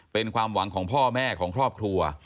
เป็นความหวังของพ่อแม่ของครอบครัว